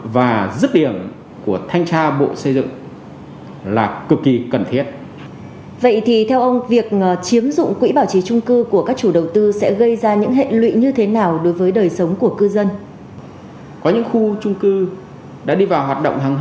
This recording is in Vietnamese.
và trước hết thì mời quý vị cùng theo dõi một đoạn clip ngắn